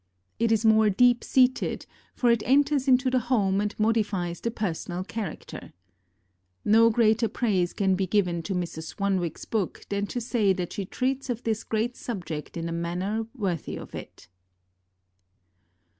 It is more deep seated, for it enters into the home and modifies the personal character. No greater praise can be given to Mrs. Swanwick's book than to say that she treats of this great subject in a manner worthy of it.